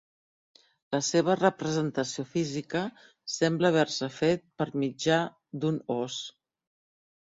La seva representació física sembla haver-se fet per mitjà d'un ós.